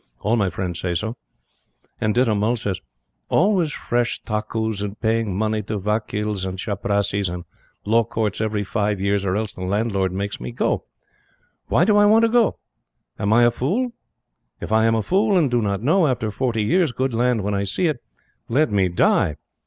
"All my friends say so. And Ditta Mull says: 'Always fresh takkus and paying money to vakils and chaprassis and law courts every five years or else the landlord makes me go. Why do I want to go? Am I fool? If I am a fool and do not know, after forty years, good land when I see it, let me die!